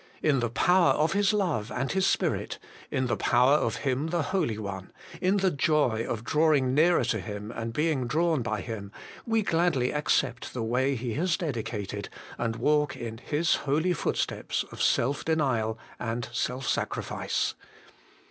In the power of His love and His Spirit, in the power of Him the Holy One, in the joy of drawing nearer to Him and being drawn by Him, we gladly accept the way He has dedicated, and walk in His holy footsteps of self denial and self sacrifice.